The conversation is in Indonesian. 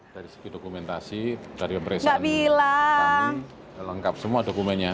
dari segi dokumentasi dari peresan kami lengkap semua dokumennya